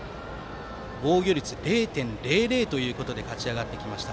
防御率０．００で勝ち上がってきました。